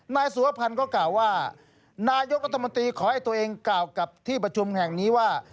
นายสุวพันธ์ก็กล่าวว่านายกรัฐมนตรีขอให้ตัวเองกล่าวกับที่ประชุมแห่งนี้ว่า